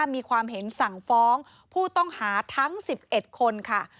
มีความเห็นสั่งฟ้องผู้ต้องหาทั้ง๑๑คนค่ะ